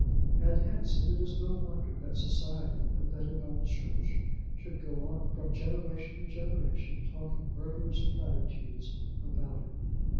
And hence it is no wonder that Society, abetted by the Church, should go on from generation to generation talking murderous platitudes about it.